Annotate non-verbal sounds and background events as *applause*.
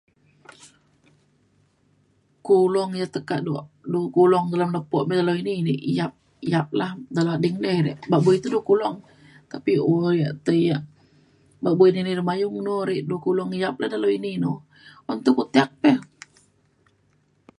Kulong yak tekak du kulong lam lepo me dalau ini yap yap lah dalau ading. Be re babui ida kulong tapi u- yak te yak babui dini re bayu nu re du kulong yap de dalau ini nu. Un *unintelligible* pe.